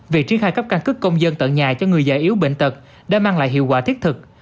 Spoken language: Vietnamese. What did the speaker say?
phía khai cấp căn cứ công dân tận nhà cho người dạ yếu bệnh tật đã mang lại hiệu quả thiết thực